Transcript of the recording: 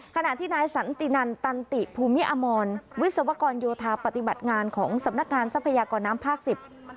ขณะที่นายสันตินันตันติภูมิอมรวิศวกรโยธาปฏิบัติงานของสำนักงานทรัพยากรน้ำภาคสิบ